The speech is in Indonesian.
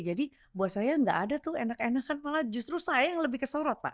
jadi buat saya tidak ada tuh enak enakan malah justru saya yang lebih kesorot pak